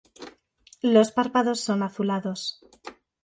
Los párpados son azulados.